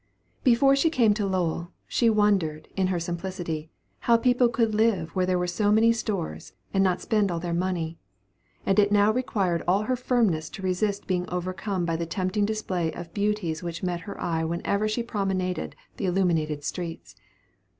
Before she came to Lowell, she wondered, in her simplicity, how people could live where there were so many stores, and not spend all their money; and it now required all her firmness to resist being overcome by the tempting display of beauties which met her eye whenever she promenaded the illuminated streets.